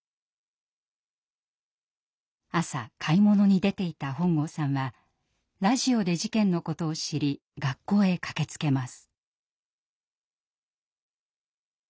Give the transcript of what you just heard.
朝買い物に出ていた本郷さんはラジオで事件のことを知り学校へ駆けつけます。